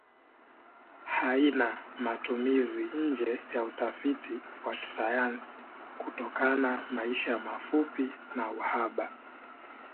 Haina matumizi nje ya utafiti wa kisayansi kutokana maisha mafupi na uhaba.